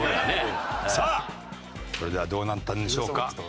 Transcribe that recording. さあそれではどうなったんでしょうか？